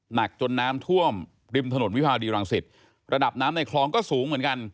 หนักจนน้ำท่วมริมถนนวิภาวดีรังสิตระดับน้ำในคลองก็สูงเหมือนกัน